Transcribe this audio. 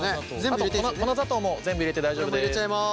あと粉砂糖も全部入れて大丈夫です。